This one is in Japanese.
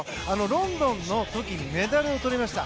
ロンドンの時にメダルをとりました